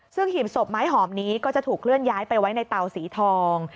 ซึ่งหีบศพไม้หอมนี้ก็จะถูกเคลื่อนย้ายไปไว้ในเตาสีทอง